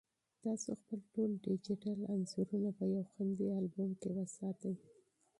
تاسو خپل ټول ډیجیټل عکسونه په یو خوندي البوم کې تنظیم کړئ.